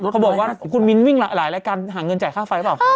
เขาบอกว่าคุณมิ้นวิ่งหลายรายการหาเงินจ่ายค่าไฟหรือเปล่า